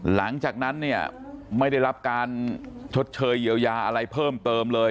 หลังจากนั้นเนี่ยไม่ได้รับการชดเชยเยียวยาอะไรเพิ่มเติมเลย